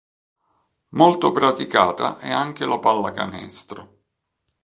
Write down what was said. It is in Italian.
Molto praticata è anche la pallacanestro.